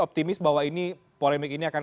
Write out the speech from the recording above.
optimis bahwa ini polemik ini akan